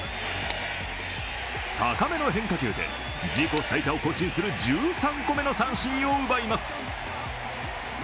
高めの変化球で自己最多を更新する１３個目の三振を奪います。